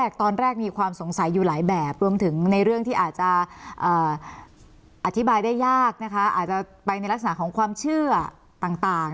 ตอนแรกมีความสงสัยอยู่หลายแบบรวมถึงในเรื่องที่อาจจะอธิบายได้ยากนะคะอาจจะไปในลักษณะของความเชื่อต่าง